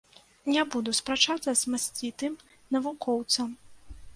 Не буду спрачацца з масцітым навукоўцам.